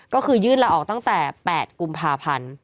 ก็คือยื่นละออกตั้งแต่๘กุมภาพันธ์